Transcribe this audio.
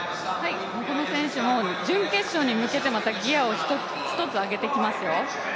この選手も準決勝に向けてギアを一つあげてきますよ。